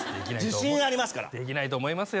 自信ありますからできないと思いますよ